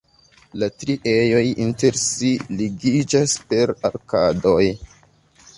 La tri ejoj inter si ligiĝas per arkadoj.